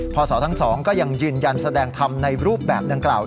พ่อสอนทั้งสองก็ยังยืนยันแสดงธรรมในรูปแบบเนื้องกล่าว